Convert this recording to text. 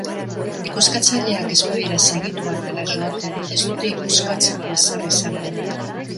Ikuskatzaileak ez badira segituan hara joaten, ez dute ikuskatzeko ezer izango.